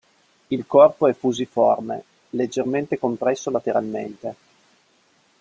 Il corpo è fusiforme, leggermente compresso lateralmente.